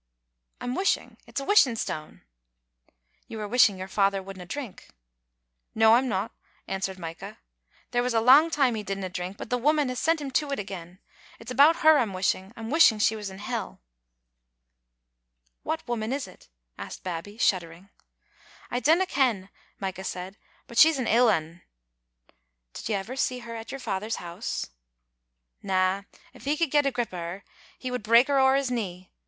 " I'm wishing. It's a wishing stane." " You are wishing your father wouldna drink. "" No, I'm no," answered Micah. " There was a lang time he didna drink, but the woman has sent him to it again. It's about her I'm wishing. I'm wishing she was in hell " Digitized by VjOOQ IC •14 XSbc Xittlc Ainistet. "What woman is it?" asked Babbie, shuddering. •*I dinna ken," Micah said, "but she's an ill ane." •* Did you never see her at your father's house?" " Na; if he could get grip o' her he would break her ower his knee.